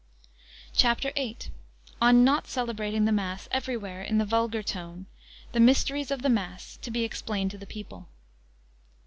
CHAPTER VIII. On not celebrating the Mass every where in the vulgar tongue; the mysteries of the Mass to be explained to the people.